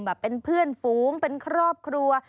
แบบเป็นเพื่อนฝูงเป็นครอบครัว